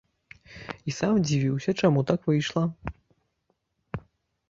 І сам дзівіўся, чаму так выйшла.